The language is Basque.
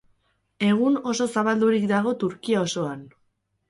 Egun oso zabaldurik dago Turkia osoan.